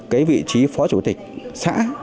cái vị trí phó chủ tịch xã